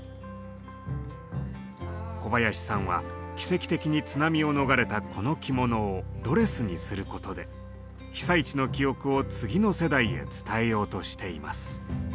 小林さんは奇跡的に津波を逃れたこの着物をドレスにすることで被災地の記憶を次の世代へ伝えようとしています。